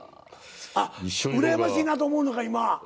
うらやましいなと思うのか今。